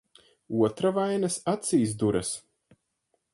Otra vainas acīs duras.